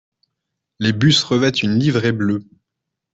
Les bus revêtent une livrée bleue.